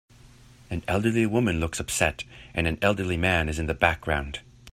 An elderly woman looks upset, and an elderly man is in the background.